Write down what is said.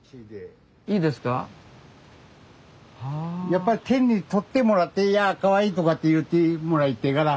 やっぱり手に取ってもらっていやかわいいとかって言ってもらいてえから。